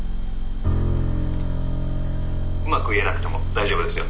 「うまく言えなくても大丈夫ですよ」。